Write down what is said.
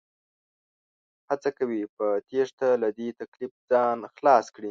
هڅه کوي په تېښته له دې تکليف ځان خلاص کړي